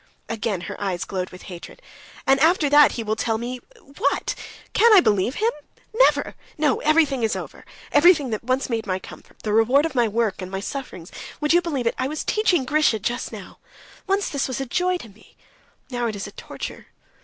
Again her eyes glowed with hatred. "And after that he will tell me.... What! can I believe him? Never! No, everything is over, everything that once made my comfort, the reward of my work, and my sufferings.... Would you believe it, I was teaching Grisha just now: once this was a joy to me, now it is a torture.